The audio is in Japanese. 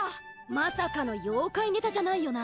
まさかの妖怪ネタじゃないよな？